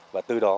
và từ đó